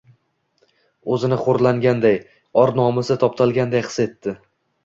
O‘zini xo‘rlanganday, or-nomusi toptalganday his etdi